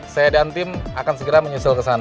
saya dan tim akan segera menyusil kesana